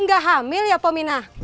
nggak hamil ya pominah